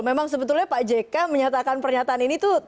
memang sebetulnya pak jk menyatakan pernyataan ini tuh